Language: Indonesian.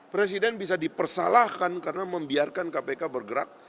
presiden bisa dipersalahkan karena membiarkan kpk bergerak